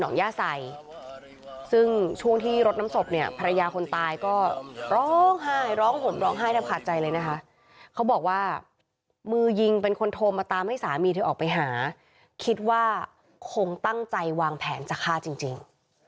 ย่าใส่ซึ่งช่วงที่รถน้ำศพเนี่ยภรรยาคนตายก็ร้องไห้ร้องห่มร้องไห้แทบขาดใจเลยนะคะเขาบอกว่ามือยิงเป็นคนโทรมาตามให้สามีเธอออกไปหาคิดว่าคงตั้งใจวางแผนจะฆ่าจริง